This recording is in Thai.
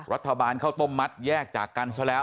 รัฐบาลเขาต้มมัดแยกจากกันซะแล้ว